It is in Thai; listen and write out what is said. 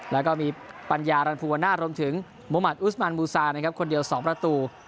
แล้วก็มีปัญญารันภูวนาศรวมถึงมุมัติอุสมันมูซานะครับคนเดียว๒ประตู